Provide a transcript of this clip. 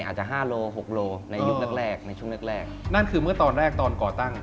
อาจจะห้าโลหกโลในยุคแรกแรกในช่วงแรกแรกนั่นคือเมื่อตอนแรกตอนก่อตั้ง